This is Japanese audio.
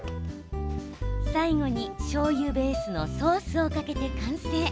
最後に、しょうゆベースのソースをかけて完成。